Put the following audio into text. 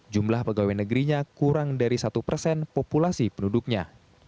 jumlah pegawai negerinya kurang dari satu persen populasi penduduknya